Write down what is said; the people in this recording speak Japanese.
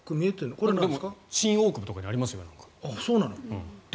これ新大久保とかにありますよ。